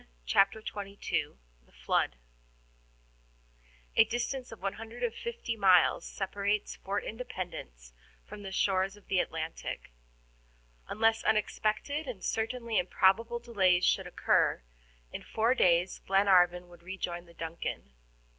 CHAPTER XXII THE FLOOD A DISTANCE of 150 miles separates Fort Independence from the shores of the Atlantic. Unless unexpected and certainly improbable delays should occur, in four days Glenarvan would rejoin the DUNCAN.